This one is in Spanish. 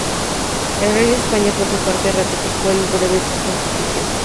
El rey de España, por su parte, ratificó el Breve Pontificio.